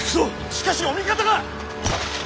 しかしお味方が！